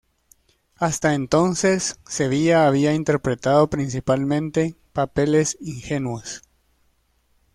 Hasta entonces Sevilla había interpretado principalmente papeles ingenuos.